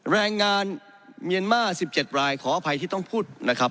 แรงงานเมียนมาร์๑๗รายขออภัยที่ต้องพูดนะครับ